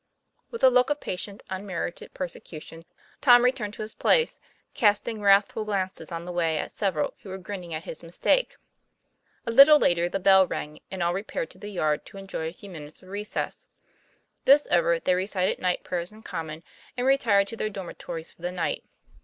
With a look of patient unmerited persecution Tom returned to his place, casting wrathful glances on the way at several who were grinning at his mistake. A little later the bell rang; and all repaired to the yard to enjoy a few minutes of recess. This over, they recited night prayers in common, and retired to their dormitories for the night.